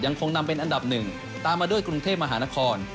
คงนำเป็นอันดับหนึ่งตามมาด้วยกรุงเทพมหานคร